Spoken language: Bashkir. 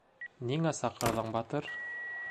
— Ниңә саҡырҙың, Батыр?